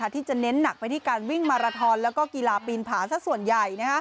ที่จะเน้นหนักไปที่การวิ่งมาราทอนแล้วก็กีฬาปีนผาสักส่วนใหญ่